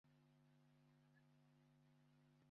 Ndashaka ko ubwira Gasanakudatinda.